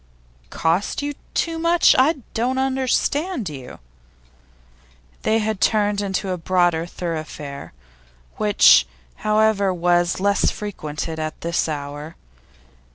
'Cost you too much? I don't understand you.' They had turned into a broader thoroughfare, which, however, was little frequented at this hour.